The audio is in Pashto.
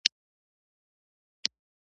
شاه تر اټک را تېر شوی دی.